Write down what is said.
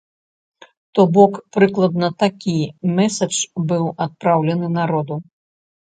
То бок прыкладна такі мэсадж быў адпраўлены народу.